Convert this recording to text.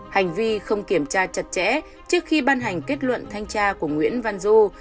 hành vi không kiểm tra chặt chẽ trước khi ban hành kết luận thanh tra của nguyễn văn du